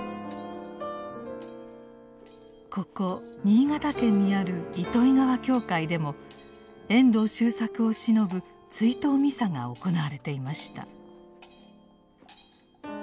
ここ新潟県にある糸魚川教会でも遠藤周作をしのぶ追悼ミサが行われていました。